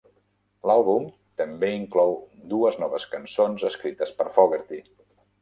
L'àlbum també inclou dues noves cançons escrites per Fogerty.